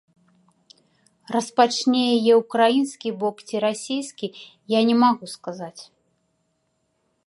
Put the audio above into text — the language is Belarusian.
Распачне яе ўкраінскі бок ці расійскі, я не магу сказаць.